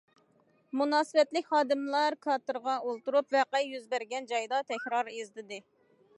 مۇناسىۋەتلىك خادىملار كاتېرغا ئولتۇرۇپ، ۋەقە يۈز بەرگەن جايدا تەكرار ئىزدىدى.